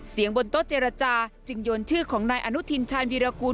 บนโต๊ะเจรจาจึงโยนชื่อของนายอนุทินชาญวีรกูล